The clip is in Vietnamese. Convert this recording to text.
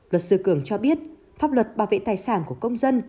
luật sư cường cho biết pháp luật bảo vệ tài sản của công dân